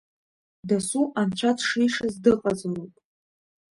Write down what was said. Дасу Анцәа дшишаз дыҟазароуп.